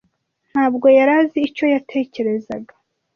Ntabwo yari azi icyo yatekerezaga.